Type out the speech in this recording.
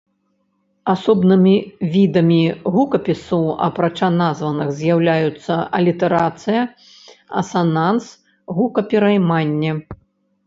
Асобнымі відамі гукапісу, апрача названых, з'яўляюцца алітэрацыя, асананс, гукаперайманне.